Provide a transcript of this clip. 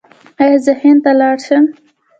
ایا زه هند ته لاړ شم؟